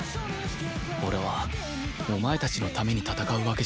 俺はお前たちのために戦うわけじゃない